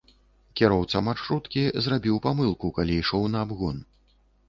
Кіроўца маршруткі зрабіў памылку, калі ішоў на абгон.